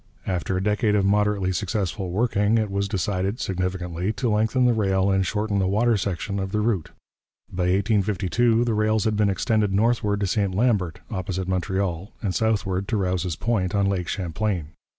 After a decade of moderately successful working, it was decided, significantly, to lengthen the rail and shorten the water section of the route. By 1852 the rails had been extended northward to St Lambert, opposite Montreal, and southward to Rouse's Point, on Lake Champlain.